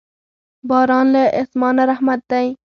باران له اسمانه رحمت دی.